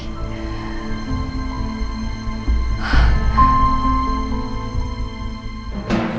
dia pasti sedih sekali